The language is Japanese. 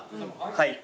はい。